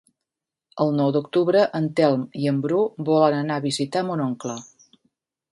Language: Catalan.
El nou d'octubre en Telm i en Bru volen anar a visitar mon oncle.